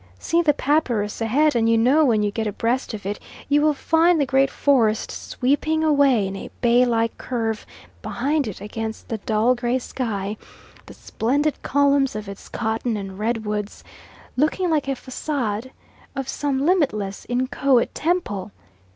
See the papyrus ahead; and you know when you get abreast of it you will find the great forest sweeping away in a bay like curve behind it against the dull gray sky, the splendid columns of its cotton and red woods looking like a facade of some limitless inchoate temple.